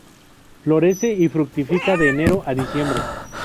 Florece y fructifica de enero a diciembre.